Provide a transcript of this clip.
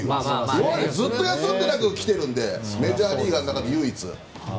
今までずっと休みなく来ているのでメジャーリーガーで唯一。